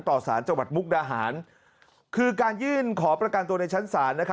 ต่อสารจังหวัดมุกดาหารคือการยื่นขอประกันตัวในชั้นศาล